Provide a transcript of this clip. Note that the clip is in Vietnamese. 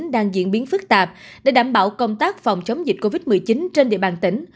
đang diễn biến phức tạp để đảm bảo công tác phòng chống dịch covid một mươi chín trên địa bàn tỉnh